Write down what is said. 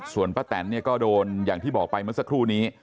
ส่วนป้าแตนเนี่ยก็โดนอย่างที่บอกไปเมื่อสักครู่นี้